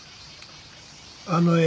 あの絵